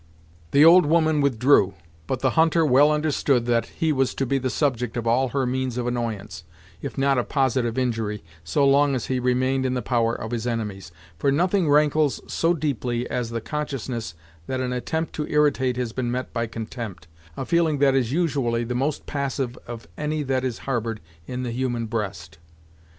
The old woman withdrew, but the hunter well understood that he was to be the subject of all her means of annoyance, if not of positive injury, so long as he remained in the power of his enemies, for nothing rankles so deeply as the consciousness that an attempt to irritate has been met by contempt, a feeling that is usually the most passive of any that is harbored in the human breast.